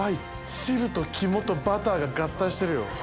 汁と肝とバターが合体してるよ。